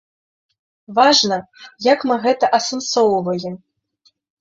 Важна, як мы гэта асэнсоўваем.